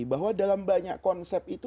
bahwa dalam banyak konsep itu